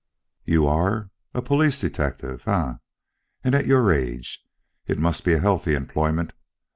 "You are! A police detective, eh, and at your age! It must be a healthy employment.